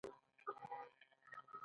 هغه امر ګورنر جنرال ته واستاوه.